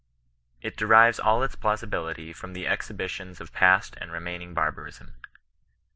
It derives all its plausibility from the exhibitions of past and remaining barbarism.